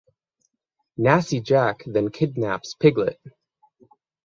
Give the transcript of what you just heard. Nasty Jack then kidnaps Piglet.